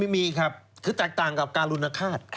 ไม่มีครับคือแตกต่างกับการรุณฆาต